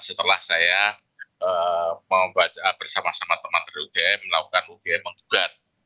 setelah saya bersama sama teman dari ugm melakukan ugm menggugat